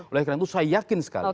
oleh karena itu saya yakin sekali